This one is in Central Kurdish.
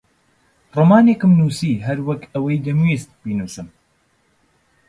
ڕۆمانێکم نووسی هەر وەک ئەوەی دەمویست بینووسم.